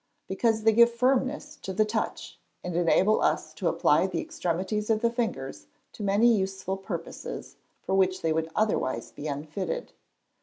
_ Because they give firmness to the touch, and enable us to apply the extremities of the fingers to many useful purposes for which they would otherwise be unfitted.